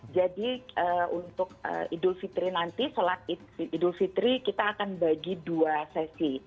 jadi untuk idul fitri nanti selat idul fitri kita akan bagi dua sesi